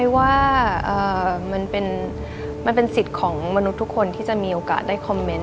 ว่ามันเป็นสิทธิ์ของมนุษย์ทุกคนที่จะมีโอกาสได้คอมเมนต์